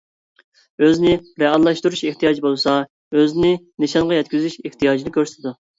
ئۆزىنى رېئاللاشتۇرۇش ئېھتىياجى بولسا ئۆزىنى نىشانغا يەتكۈزۈش ئېھتىياجىنى كۆرسىتىدۇ.